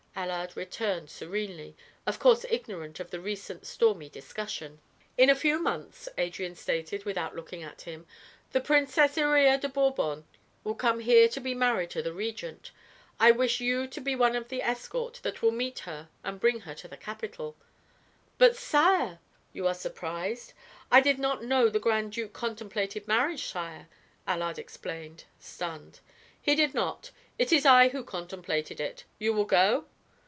Allard returned serenely, of course ignorant of the recent stormy discussion. "In a few months," Adrian stated, without looking at him, "the Princess Iría de Bourbon will come here to be married to the Regent. I wish you to be one of the escort that will meet her and bring her to the capital." "But, sire " "You are surprised?" "I did not know the Grand Duke contemplated marriage, sire," Allard explained, stunned. "He did not; it is I who contemplated it. You will go?"